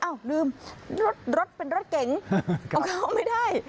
ลืมรถเป็นรถเก๋งเอาเข้าไม่ได้